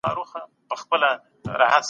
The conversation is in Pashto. علامه رشاد د حقیقت د لټون کوونکی وو.